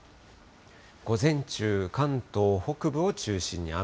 午前中、関東北部を中心に雨。